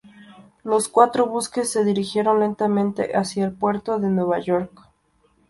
Los cuatro buques se dirigieron lentamente hacia el puerto de Nueva York.